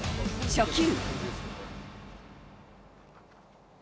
初球。